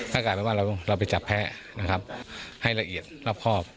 ถ้ากลายเป็นว่าเราไปจับแพ้ให้ละเอียดรอบครอบ